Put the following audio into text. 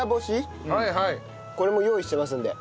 これも用意してますんで。